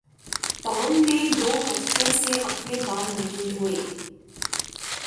Tom نے دو ہفتوں سے اپنے بال نہیں دھوئے